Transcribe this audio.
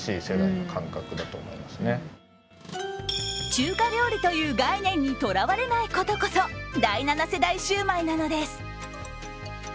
中華料理という概念にとらわれないことこそ第７世代シュウマイなのです。